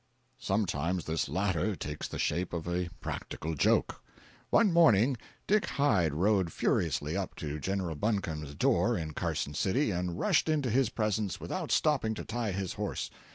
Sometimes this latter takes the shape of a practical joke. One morning Dick Hyde rode furiously up to General Buncombe's door in Carson city and rushed into his presence without stopping to tie his horse.